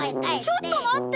ちょっと待って！